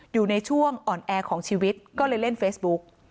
อยู่ในช่วงอ่อนแอของชีวิตก็เลยเล่นเฟซบุ๊ก